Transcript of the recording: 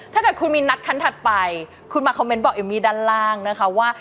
ถ้าเกิดคุณมีนัดคันถัดไปคุณมาคอมเมนต์บอกเอมมี่ด้านล่างนะคะว่า